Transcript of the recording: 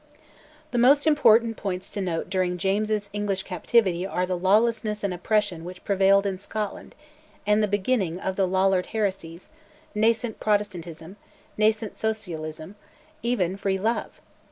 The most important points to note during James's English captivity are the lawlessness and oppression which prevailed in Scotland, and the beginning of Lollard heresies, nascent Protestantism, nascent Socialism, even "free love."